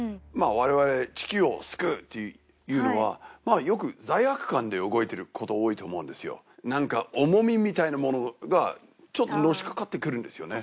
われわれ「地球を救う！」っていうのはまぁよく罪悪感で動いてること多いと思うんですよなんか重みみたいなものがちょっとのしかかってくるんですよね